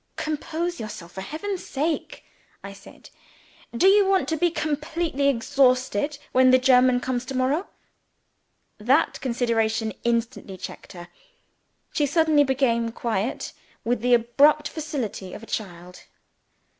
"Compose yourself for heaven's sake," I said. "Do you want to be completely exhausted when the German comes tomorrow?" That consideration instantly checked her. She suddenly became quiet, with the abrupt facility of a child.